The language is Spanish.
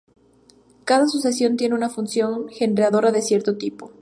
Cada sucesión tiene una función generadora de cierto tipo.